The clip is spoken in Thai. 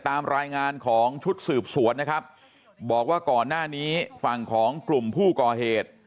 ตามรายงานของชุดสืบสวนนะครับบอกว่าก่อนหน้านี้ฝั่งของกลุ่มผู้ก่อเหตุ